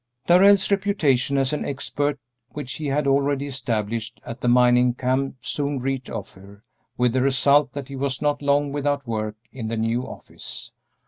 Darrell's reputation as an expert which he had already established at the mining camp soon reached Ophir, with the result that he was not long without work in the new office.